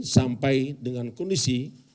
sampai dengan kondisi